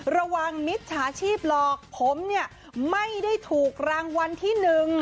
ระวังมิตรฐาชีพหลอกผมไม่ได้ถูกรางวัลที่๑